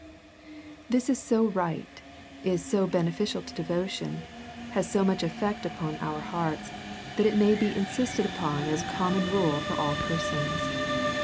This is so right, is so beneficial to devotion, has so much effect upon our hearts_, that it may be insisted upon as a common rule for all persons.